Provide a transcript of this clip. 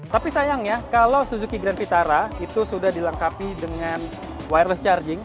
tapi sayangnya kalau suzuki grand vitara itu sudah dilengkapi dengan wireless charging